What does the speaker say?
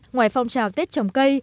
ngoài phong trào tết trồng cây